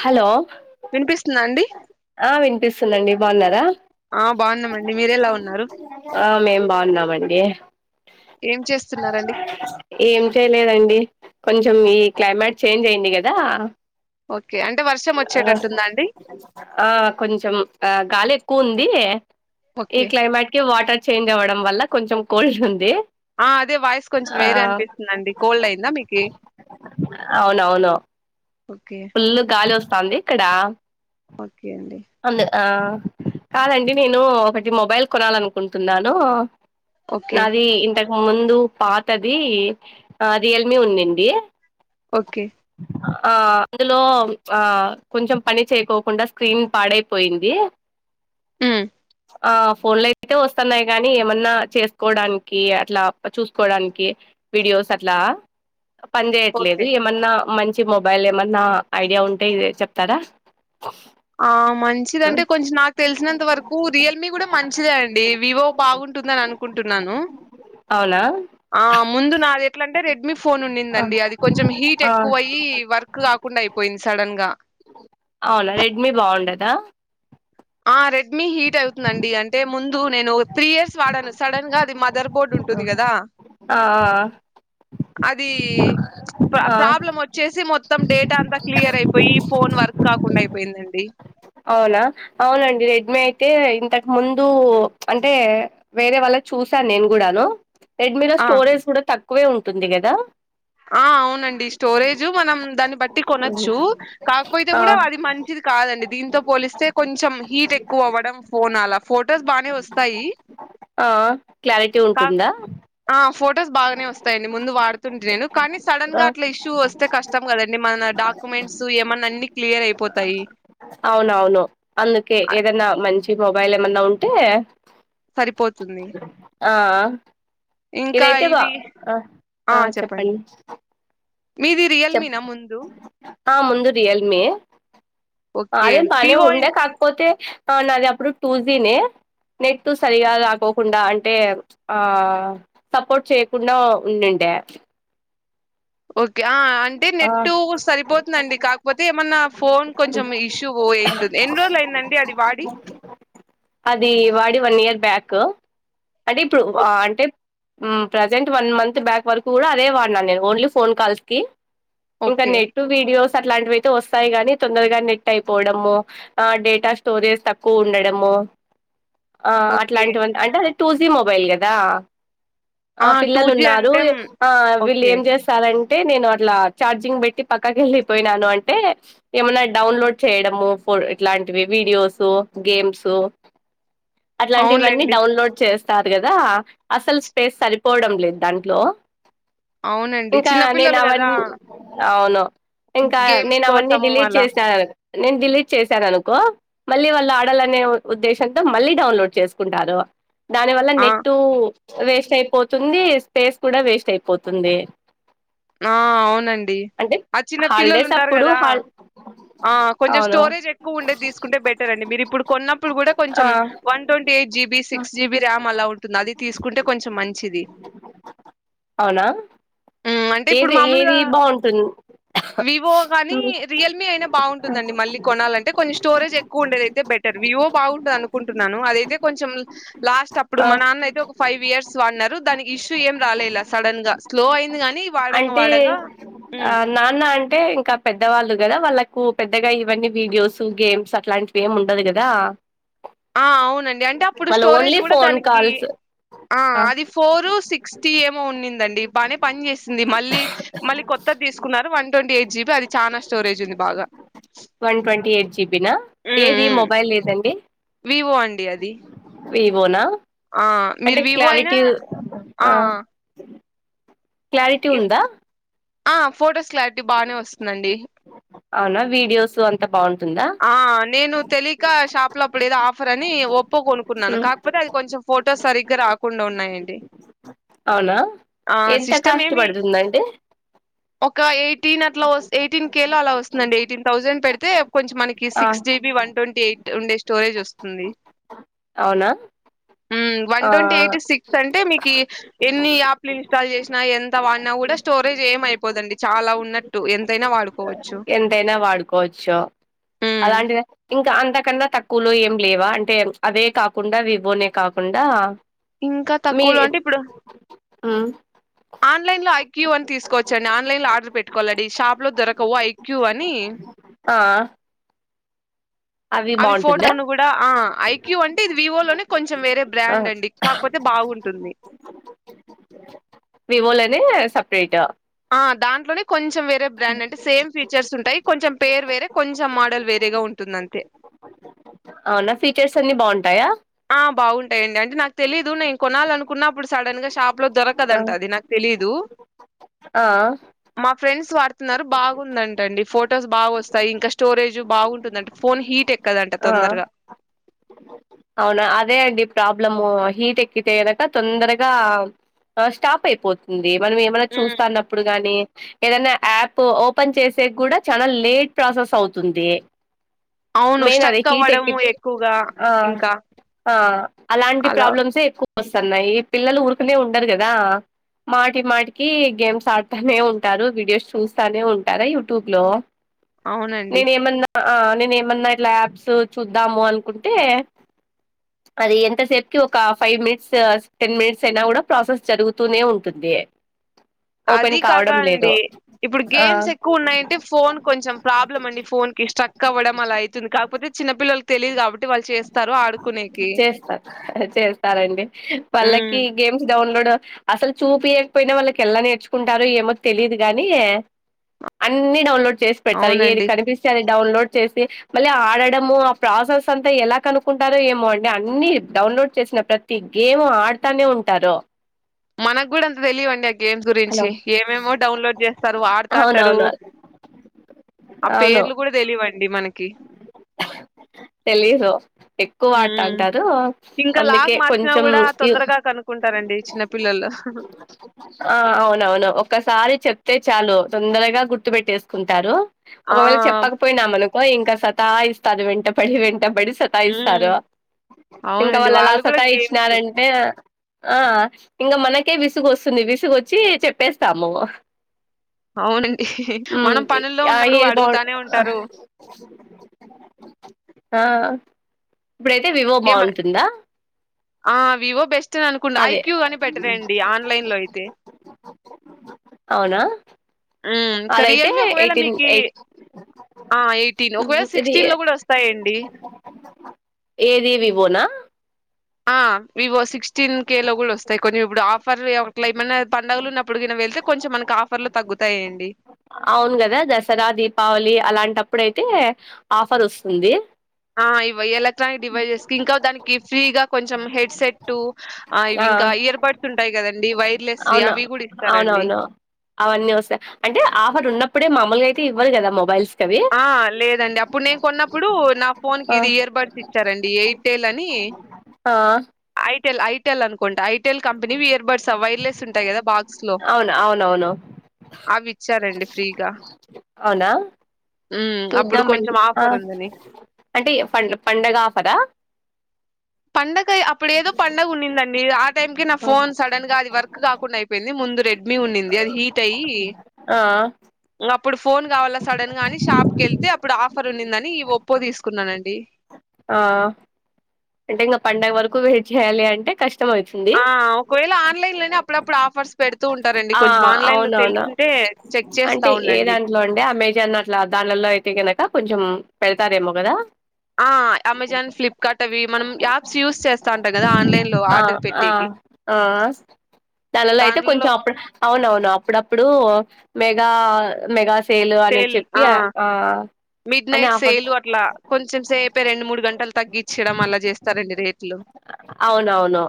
Hello వినిపిస్తుందా అండి ఆ వినిపిస్తుందండి బాగున్నారా ఆ బాగున్నా ఆ మేము బాగున్నామండి ఏం చేస్తున్నారండి ఏం చేయలేదండి కొంచెం ఈ క్లైమేట్ చేంజ్ అయింది కదా ఓకే అంటే వర్షం ఆ వచ్చేటట్టు ఉందా అండి ఆ కొంచెం ఆ గాలి ఎక్కువ ఉంది ఈ ఓకే క్లైమేట్ వాటర్ చేంజ్ అవ్వడం వల్ల కొంచెం కోల్డ్ ఉంది ఆ అదే వాయిస్ కొంచెం ఆ వేరే అనిపిస్తుందిండి కోల్డ్ అయిందా మీకి అవునవును ఓకే ఫుల్ గాలి వస్తుంది ఇక్కడ ఓకే అండి అందు కాదండి నేను ఒకటి మొబైల్ కొనాలనుకుంటున్నాను ఓకే నాది ఇంతకు ముందు పాతది ఆ రియల్ మీ ఉండింది ఓకే ఆ అందులో ఆ కొంచెం పని చేయకోకుండా స్క్రీన్ పాడైపోయింది హమ్ ఆ ఫోన్ లో అయితే వస్తున్నాయి కాని ఏమన్నా చేసుకోవడానికి అట్లా చూసుకోడానికి వీడియోస్ అట్లా పని చేేయట్లేదు ఓకే ఏమన్నా మంచి మొబైల్ ఏమన్నా ఐడియా ఉంటే ఇద చెప్తారా ఆ మన్ మంచిదంటే కొంచెం నాకు తెలిసినంత వరకు రియల్మీ కూడా మంచిదే అండి వివో బాగుంటుందని అనుకుంటున్నాను అవునా ఆ ముందు నాది ఎట్ల అంటే రెడ్మీ ఫోన్ ఉన్నిందండి అది కొంచెం హీట్ ఎక్కువ అయ్యి వర్క్ క్ కాకుండా అయిపోయింది సడన్ గా అవునా రెడ్మీ బాగుండదా ఆ రెడ్మీ హీట్ అవుతుందండి అంటే ముందు నేను త్రీ ఇయర్స్ వాడాను సడన్ గా అది మదర్ బోర్డ్ ఉంట్ టుంది కదా ఆ అదీ ప్ర ఆ ప్రాబ్లం వచ్చేసి మొత్తం డేటా అంతా క్లియర్ అయిపోయి ఫోన్ వర్క్ కాకుండా అయిపోయిందండి అవునా అవునండి రెడ్మీయి అయితే ఇంతకు ముందు అంటే వేరే వాళ్ళ చూసాను నేను కూడాను రెడ్మీ లో ఆ! స్టోరేజ్ కూడా తక్కువే ఉంటుంది కదా ఆ అవునండి స్టోరేజ్ మనం దాన్ని బట్టి కొనొచ్చు కాకపోతే ఆ కూడా అది మంచిది కాదండి దీంతో పోలిస్తే కొంచెం హీట్ ఎక్కువ అవ్వడం ఫోన్ అలా ఫొటోస్ బానే వస్తాయి ఆ క్లారిటీ కాక్ ఉంటుందా ఫొటోస్ బాగానే వస్తాయండి ముందు వాడుతుంటే నేను కానీ సడన్ ఆ గా అట్లా ఇష్యూ వస్తే కష్టం కదండి మన డాక్యుమెంట్స్ ఏమన్నా అన్ని క్లియర్ అయిపోతాయి అవునవును అందుకే అ ఏదన్నా మంచి మొబైల్ ఏమన్నా ఉంటే సరిపోతుంది ఆ ఇంకా ఇదైతే గ ఇవి ఆ ఆ చెప్పండి మీది రియల్మీ చెప్ నా ముందు ఆ ముందు రియల్మిఏ ఓకే అది పని వివో ఉండె ఇన్ కాక్ పోతే ఆ నాది అప్పుడు టూ జీ నే నెట్ సరిగా రాకోకుండా అంటే సపోర్ట్ చేయకుండా ఉండుండే ఓకే ఆ అంటే ఆ నెట్ సరిపోతుందండి కాకపోతే ఏమన్నా ఫోన్ కొంచెం ఇష్యూ ఎన్ని రోజులు అయిందండి అది వాడి అది వాడి వన్ ఇయర్ బ్యాక్ అంటే ఇప్పుడు ఓకే అంటే ఉ ప్రజెంట్ వన్ మంత్ బ్యాక్ వరకు కూడా అదే వాడినాను నేను ఓన్లీ ఫోన్ కాల్స్కి ఇంకా ఓకే నెట్ వీడియోస్ అట్లాంటివియితే వస్తాయి గాని తొందరగా నెట్ అయిపోవడము ఆ డేటా స్టోరేజ్ తక్కువ ఉండడము ఓకే అట్లాంటివన్న అంటే అది టూ జీ మొబైల్ కదా ఆ టూ పిల్లలు జీ ఉన్నారు అంటే హ్మ్. ఆ వీళ్ళు ఓకే ఏం చేస్తారంటే అంటే నేను అట్లా ఛార్జింగ్ పెట్టి పక్కకి వెళ్ళిపోయినాను అంటే ఏమన్నా డౌన్లోడ్ చేయడము ఫో ఇట్లాంటివి వీడియోస్ గేమ్స్ అట్లాంటివన్నీ అవునులేండి డౌన్లోడ్ చేస్తా స్తారు కదా అసలు స్పేస్ సరిపోవడం లేదు దాంట్లో అవునండి ఇంకా నేను చిన్నపిల్లలు కదా అవన్ని అవును ఇంకా గేమ్స్ నేను అవన్నీ కోసము డిలీట్ అలా చేశాను నేను డిల్లీట్ చేశాను అనుకో మళ్ళీ వాళ్ళు ఆడాలనే ఉద్దేశంతో మళ్ళీ డౌన్లోడ్ చేసుకుంటారు దాని వల్ల ఆ నెట్ వేస్ట్ అయిపోతుంది స్పేస్ కూడా వేస్ట్ అయిపోతుంది ఆ అవునండి అంటే ఆ చిన్న పిల్లలు హాలిడేస్ ఉంటారు అప్పుడు కదా హాల్ ఆ కొంచెం అవును స్టోరేజ్ ఎక్కువ ఉండేది తీసుకుంటే బెటర్ అండి మీరు ఇప్పుడు కొన్నప్పుడు కూడా ఆ కొంచెం one twenty eight GB six GB RAM అలా ఉంటుంది అది తీసుకుంటే కొంచెం మంచిది అవునా హ్మ్. అంటే ఇప్పుడు ఏది ఏది మామూలుగా బాగుంటుంది వివో కాని రియల్మీ అయినా బాగుంటుంది అండి మళ్ళ కొనాలంటే కొంచెం స్టోరేజ్ ఎక్కువ ఉండేదయితే బెటర్ వివో బాగుంటది అనుకుంటున్నాను అదైతే కొంచెం లాస్ట్ అప్పుడు ఆ మా నాన్న అయితే ఒక ఫైవ్ ఇయర్స్ వాడినారు దానికి ఇష్యూ ఏం రాలేలా సడన్ గా స్లో అయింది గానీ వాడంగా అంటే వాడంగా ఆ నాన్న అంటే ఇంకా పెద్దవాళ్ళు కదా వాళ్ళలకు పెద్దగా ఇవన్నీ వీడియోస్ గేమ్స్ అట్లాంటి ఏం ఉండదు కదా ఆ అవునండి అంటే అప్పుడు వాళ్ళు స్టోరేజ్ ఓన్లీ కూడా ఫోన్ దానికి కాల్స్ ఆ అది ఫోరు సిక్స్ ఏమో ఉనిందండి బానే పని చేసింది మళ్ళీ మళ్ళీ కొత్తది తీసుకున్నారు వన్ ట్వంటీ ఎయిట్ జీబి అది చాలా స్టోరేజ్ ఉంది బాగా వన్ ట్వంటీ ఎయిట్ జిబి నా ఏది మొబైల్ మొబైల్ ఏదండి ఒప్పో అండీ అది వివోనా ఆ మీరు అంటే వివో అయినా క్లారిటీ ఆ క్లారిటీ ఎప్ ఉందా ఆ ఫొటోస్ క్లారిటీ బాగానే వస్తుందండి అవునా వీడియోస్ అంతా బాగుంటుందా ఆ నేను తెలిక షాప్ లో అప్పుడు ఏదో ఆఫర్ అని ఒప్పో కొనుకున్నాను ఉమ్, కాకపోతే అది కొంచెం ఫోటోస్ సరిగ్గా రాకుండా ఉన్నాయండి అవునా ఆ ఎంత సిస్టమ్ కాస్ట్ ఏమి పడుతుందండి ఒక ఎయిటీన్ అట్లా ఎయిటీన్ కే లో అలా వస్తుందండి ఎయిటీన్ థౌసండ్ పెడితే కొంచెం మనకి కి ఆ six GB one twenty eight ఉండే స్టోరేజ్ వస్తుంది అవునా ఉహ్మ్ వన్ ఆ ట్వంటీ ఎయిట్ సిక్స్ అంటే మీకి ఎన్ని యాప్ ఇన్స్టాల్ చేసినా ఎంత వాడినా కూడా స్టోరేజ్ ఏమైపోదండి చాలా ఉన్నట్టు ఎంతైనా వాడు ఎంతైనా వాడుకోవచ్చు హ్మ్. అలాంటిది ఇంకా అంతకన్నా తక్ కులో ఏం లేవా అంటే ప్చ్ అదే కాకుండా విభో నే కాకుండా ఇంకా తక్కువలో మీది అంటే ఉ ఆన్లైన్ లో ఐక్యూ అని తీసుకోవచ్చండి ఆన్లైన్ లో ఆర్డర్ పెట్టుకోవాలండి షాప్ లో దొరకవు ఐక్యూ అని ఆ అవి ఫోటోను కూడా ఆ ఐక్యూ అంటే ఇది వివో లోనే కొంచెం వేరే బ్రాండ్ అండి కాకపోతే బాగుంటుంది వివో లోనే సెపరేట్ ఆ దాంట్లోనే కొంచెం వేరే బ్రాండ్ అంటే సేమ్ ఫీచర్స్ ఉంటాయి కొంచెం పేరు వేరే కొంచెం మోడల్ వేరేగా ఉంటుంది అంతే అవునా ఫీచర్స్ అన్ని బాగుంటాయా ఆ బాగుంటాయండి అంటే నాకు తెలీదు నేను కొనాలనుకున్నప్పుడు సడన్ గా షాప్ లో దొరకదు ఆ అంట అది నాక్ తెలీదు ఆ మా ఫ్రెండ్స్ వాడుతున్నారు బాగుందంట అండి ఫొటోస్ బాగు వస్తాయి ఇంకా స్టోరేజ్ బాగుంటుంది అంట ఫోన్ హీట్ ఎక్కదు అంట ఆ తొందరగా అవునా అదే అండి ప్రాబ్లము హీట్ ఎక్కితే కనక తొందరగా ఆ స్టాప్ అయిపోతుంది మనం ఏం అన్నా హ్మ్ చూస్తాన్న ఇప్పుడు గాని ఏదైనా యాప్ ఓపెన్ చేసే కూడా చాలా లేట్ ప్రాసెస్ అవుతుంది అవును మెయిన్ ఆది స్ట్రక్ హీట్ అవ్వడము ఎక్కించి ఎక్కువగా ఆ ఇంకా ఆ అలాంటి అలా ప్రాబ్లమ్స్ ఏయ్ ఎక్కువ వస్తున్నాయి పిల్లలు ఊరుకనే ఉండరు కదా మాటి మాటికి గేమ్స్ ఆడుతానే ఉంటారు వీడియోస్ చూస్తూనే ఉంటారా యూట్యూబ్ లో అవునండి నేను ఏమన్నా నేను ఏమన్నా ఇట్ల యాప్స్ చూద్దాము అనుకుంటే అది ఎంతసేపుకి ఒక ఫైవ్ మినిట్స్ టెన్ మినిట్స్ అయినా కూడా ప్రాసెస్ జరుగుతూనే ఉంటుంది ఓపెన్ అది కాక కావడం లేదు అండి ఇప్పుడు ఆ గేమ్స్ ఎక్కువ ఉన్నాయంటే ఫోన్ కొంచెం ప్రాబ్లం అండి ఫోన్ కి స్ట్రక్ కవ్వడం అలా అయితుంది కాకపోతే చిన్న పిల్లలకు తెలియదు కాబట్టి వాళ్ళు చేస్ చేస్తా చేస్తారండి హ్మ్. పళ్లకి గేమ్స్ డౌన్లోడ్ అసలు చూపియ్యకపోయినా వాళ్ళకి ఎల్ల నేర్చుకుంటారో ఏమో తెలీయదు గాని అన్ని డౌన్లోడ్ చేస్ పెట్టారు ఏది అవునండి కనిపిస్తే అది డౌన్లోడ్ చేసి మళ్ళీ ఆడడము ఆ ప్రాసెస్ అంతా ఎలా కను కుంటారో ఏమో అండి అన్ని డౌన్లోడ్ చేసిన ప్రతి గేమ్ ము ఆడుతానే ఉంటారు మనకు కూడా అంత తెలియవు అండి ఆ గేమ్స్ హలో గురించి ఏమేమో డౌన్లోడ్ చేస్తారు ఆడతాంటారు అవునవును ఆ అవును పేర్లు కూడా తెలియవు అండి మనకి తెలీదు ఎక్కువ వాడుతా హ్మ్ అంటారు అందుకే కొంచెం కుంటారండి చిన్న పిల్లలు అ ఆ అవునవును ఒక్కసారి చెప్తే చాలు తొందరగా గుర్తు పెట్టేసుకుంటారు ఒక్క ఆ వేళ చెప్పకపోయినా అనుకో ఇంకా సతాయిస్తారు వెంటపడి వెంటపడి సత్ సాయి హ్మ్ ఇస్తారు ఇంకా అవునండి వాళ్ళు అలా కూడా సతా గేమ్స్ ఇచ్చినారంటే ఆ ఇంకా మనకే విసుగు వస్తుంది విసుగు వచ్చి చెప్పేస్తాము అవునండి ఉమ్ మనం పనుల్లో ఉన్నప్పుడు అడుగుతానే ఉంటారు హా ఇప్పుడైతే వివో ఏమ బాగుంటుందా ఆ వివో బెస్ట్ అని అనుకున్న అదే ఐక్యూ గాని బెటర్ అండి ఆన్లైన్ లో అయితే అవునా ఉమ్ ఇంకా అదైతే రియల్మీ ఒకవేళ ఎయిటీన్ మీకీ ఎయిట్ ఆ ఎయిటీన్ ఒకవేళ ఇది సిక్స్టీన్ లో కూడా వస్తాయండి ఏదివివోనా ఆ వివో సిక్స్టీన్ కే లో కూడా వస్తాయి కొంచెం ఇప్పుడు ఆఫ్ ఫర్ ఒకట్లా ఏమన్నా పండుగలు ఉన్నప్పుడుగినా వెళ్తే కొంచెం మనకి ఆఫర్లు తగ్గుతాయండి అవును కదా దసరా దీపావళి అలాంటప్పుడు అయితే ఆఫర్ ఆస్తుంది ఆ ఇవ ఎలక్ట్రానిక్ డివైజెస్ కి ఇంకా దానికి ఫ్రీగా కొంచెం హెడ్సెట్ ఆ ఇవి ఇంకా ఇయర్బడ్స్ ఉంటాయి కదండి వైర్లెస్ అవును అవి కూడా ఇస్తారండి అవునవును అవన్నీ వస్తాయి అంటే ఆఫర్ ఉన్నప్పుడే మామూలుగా అయితే ఇవ్విరు కదా మొబైల్స్ కవి ఆ! లేదండి. అప్పుడు నేను కొన్నప్పుడు నా ఫోన్‌కి ఆ ఇది ఇయర్ బడ్స్ ఇచ్చారండి. ఎయిర్‌టెల్ అని ఆ ఐటెల్ ఐటెల్ అనుకుంటా itel company we're birds wireless ఉంటాయి కదా బాక్స్ లో అవును అవునవును అవి ఇచ్చారండి ఫ్రీగా అవునా హ్మ్. అప్పుడు చూద్దామండి కొంచెం ఆ ఆఫర్ ఉందని. అంటే ప పండగ ఆఫరా పండగ అప్పుడ ఏదో పండగ ఉందండి ఆ టైం కి నా ఆ ఫోన్ సడన్ గా అది వర్క్ కాక కుండా అయిపోయింది ముందు రెడ్మ ఉండింది అది హీట్ అయి ఆ ఆ అప్పుడు ఫోన్ కావాలా సడన్ గా అని షాప్ క ఏళ్తే అప్పుడు ఆఫర్ ఉండిందని ఈ ఒప్పో తీసుకున్నానండి ఆ ఆ అంటే ఇంకా పండగ వరకు వెయిట్ చేయాలి అంటే కష్ట ష్టమైతుంది ఆ ఒకవేళ ఆన్లైన్ లోనే అప్పుడప్పుడు ఆఫర్స్ పెడుతూ ఉంటారండి ఆ కొంచెం ఆన్లైన్ లో అవునవును తెలుసుంటే అంటే ఏ దాంట్లో అండి అమెజాన్ దాన్ దాన్లలో అయితే కనక కొంచెం పెడతారేమో కదా హా అమెజాన్ ఫ్లిప్కార్ట్ అవి మనం యాప్స్ యూస్ చేస్తా ఉంటాం కదా ఆన్లైన్లో ఆ ఆర్డర్ పెట్టేకి ఆ ఆ దాన్లల్లో అయితే దాంట్లో కొంచెం అప్పు అవునవును అప్పుడప్పుడు మెగా మెగా సేలు అని చెప్పి ఆ అని మిడ్‌నైట్ ఆఫర్స్ సేలు అట్లా కొంచెం సేపే రెండు మూడు గంటలు తగ్గిించ్చడం అలా చేస్తారండి రేపు అవునవును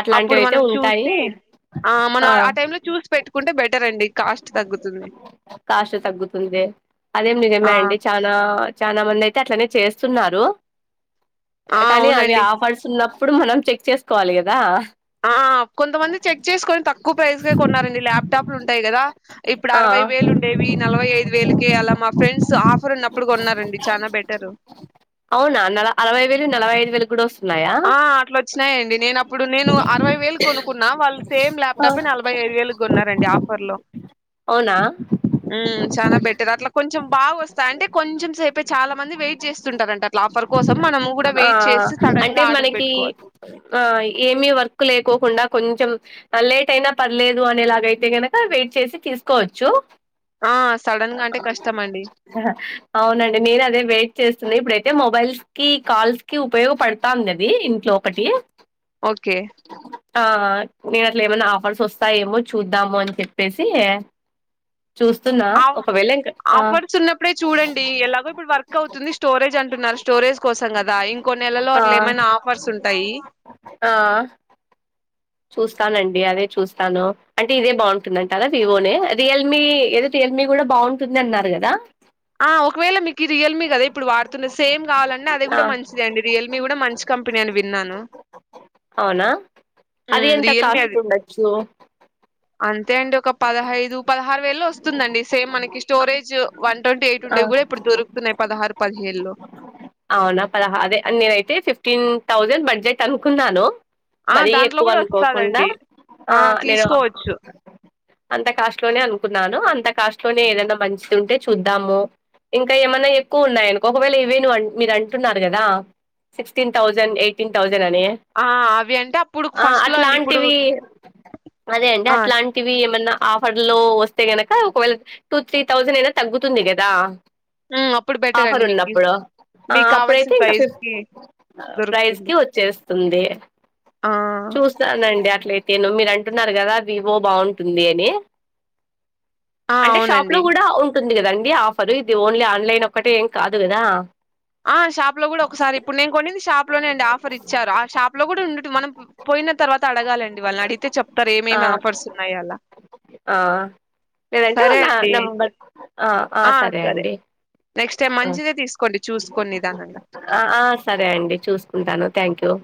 అట్లాంటివి అప్పుడు అయితే మనం ఉంటాయి ఆ చూస్ పెట్టుకుంటే బెటరండి కాస్ట్ తగ్గుతుంది కాస్ట్ తగ్గుతుంది అదేం ఆ! నిజమే అండి చానా చానా మంది అయితే అట్లనే చేస్తున్నారు ఆ! కానీ అవి అవునండి. ఆఫర్స్ ఉన్నప్పుడు మనం చెక్ చేసుకోవాలి కదా ఆ కొంతమంది చెక్ చేసుకొని తక్కువ ప్రైస్ కే కొన్నారండి ల్యాప్టాప్లు ఉంటాయి కదా ఇప్పుడు ఆ అరవై వేలు ఉండేవి నలభై ఐదు వేలకే అలా మా ఫ్రెండ్స్ ఆఫర్ ఉన్నప్పుడు కొన్నారండి చానా బెటరు అవునా నల అరవై వేలు నలభై ఐదు వేలు కూడా వస్త్ ఆ అట్లా వచ్చినాయిండి నేను అప్పుడు నేను అరవై వేలు కొనుకున్నా వాళ్ళు సేమ్ ల్యాప్టాప్ ఏ నలభై ఐదు వేలు కొన్నారండి ఆఫర్ లో అవునా ఉ చాలా బట్టర్ అట్లా కొంచెం బాగా అస్త్ అంటే కొంచెం సేపే చాలా మంది వెయిట్ చేస్తుంటారంట అట్ ఆఫర్ కోసం మనము కూడా వెయిట్ చేసి [unintelligible] కి పెట్టుకోవాలి. ఆ ఏమి వర్క్ లేకోకుండా కొంచెం లేట్ అయినా పర్లేదు అనేలాగయితే గనక వెయిట్ చేసి తీసుకోవచ్చు ఆ సడన్ గా అంటే కష్టం అండి అవునండి నేను అదే వెయిట్ చేస్తుంది ఇప్పుడై అయితే మొబైల్స్ కి కాల్స్ కి ఉపయోగపడుతాందది ఇంట్లో ఒకటి ఓకే ఆ నేను అట్లా ఏమైనా ఆఫర్స్ వస్తాయేమో చూద్దాము అని చెప్పేసి చూస్తున్నా ఆఫ్ ఒకవేళ ఇంకా ఆ ఆఫర్స్ ఉన్నప్పుడే చూడండి ఎలాగో ఇప్పుడు వర్క్ అవుతుంది స్టోరేజ్ అంటున్నారు స్టోరేజ్ కోసం కదా ఇంకొన్ని నెలలో ఆ అట్ల ఏమైనా ఆఫర్స్ ఉంటాయి ఆ చూస్తానండి అదే చూస్తాను అంటే ఇదే బాగుంటుందంటరా వివోనే రియల్మీ ఏదో రియల్ మీ కూడా బాగుంటుంది అన్నారు కదా ఆ ఒకవేళ మీకి రియల్మీ కదా ఇప్పుడు వాడుతున్న సేమ్ గావాలన్న అదే ఆ కూడా మంచిదే అండి రియల్మీ కూడా మంచి కంపెనీ అని విన్నాను అవునా అది హ్మ్. ఎంత రియల్‌మీ కాస్ట్ అది. ఉండచ్చు అంతే అండి ఒక పదహైదు పదహారు వేల్లో వస్తుందండి సేమ్ మనకి స్టోరేజ్ వన్ ట్వంటీ ఎయిట్ ఉండేవి కూడా ఇప్పుడు దొరుకుతున్నాయి పదహారు పదిహేలో అవునా పదహ అదే నేనైతే ఫిఫ్టీన్ థౌజండ్ బడ్జెట్ అనుకున్నాను ఆ! మరీ దాంట్లో ఎక్కువ గూడా అనుకోకుండా వస్తాదండి. ఆ నేను అంత కాస్ట్ లోనే అనుకున్నాను అంత కాస్ట్ లోనే ఏదైనా మంచిది ఉంటే చూద్దాము ఇంకా ఏమన్నా ఎక్కువ ఉన్నాయానుకో ఒకవేళ ఇవేను మీరు అంటున్నారు కదా సిక్స్టీన్ థౌసండ్ ఎయిటీన్ థౌసండ్ అనే ఆ! అవి అంటే అప్పుడు ఆ ఫస్ట్‌లో అండి. ఇప్పుడు అట్లాంటివి అదే అండి ఆ! అట్లాంటి టివి ఏమన్నా ఆఫర్ లో వస్తే గనక ఒకవేళ టూ త్రీ థౌసండ్ అయినా తగ్గుతుంది కదా ఉమ్ అప్పుడు బెటర్ ఆఫర్ అండి మీకి ఉన్నప్పుడు ఆ మీకు కావాల్సిన అప్పుడైతే ఇంకా ఫిఫ్త్ ప్రైస్‌కి ప్రైజ్ దొరుకుతుంది. కి వచ్చేస్ బాగుంటుంది ఆ! చూస్తనండి అట్లయితేను మీరు అంటున్నారు కదా వివో బాగుంటుంది టుంది అని ఆ! అంటే షాప్ లో అవునండి. కూడా ఉం టుంది కదండి ఆఫర్ ఇది ఓన్లీ ఆన్లైన్ ఒక్కటే ఏం కాదు కదా ఆ షాప్ లో కూడా ఒకసారి ఇప్పుడు నేను కొన్నింది షాప్ లోనే అండి ఆఫర్ ఇచ్చారు ఆ షాప్ లో కూడా ఉండట మనం పోయిన తర్వాత అడగాలండి వాళ్ళని అడిగితే చెప్తారు ఆ ఏమేమి ఆఫర్స్ ఉన్నాయి అలా ఆ లేదంటే సరే వాళ్ళ అండి అయితే. నంబర్ ఆ ఆ సరే అండి నెక్స్ట్ టైం మంచిదే తీసుకోండి చూసుకొని నిదానంగా ఆ ఆ సరే అండి చూసుకుంటాను థ్యాంక్ యూ